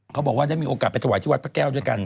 เขาบอกว่าได้มีโอกาสไปถวายที่วัดพระแก้วด้วยกัน